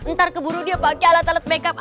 ntar keburu dia pakai alat alat makeup